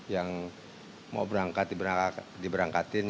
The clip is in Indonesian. yang mau berangkat diberangkat diberangkat diberangkat diberangkat diberangkat